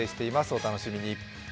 お楽しみに。